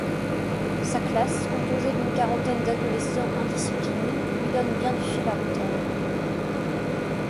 Sa classe, composée d'une quarantaine d'adolescents indisciplinés, lui donne bien du fil à retordre.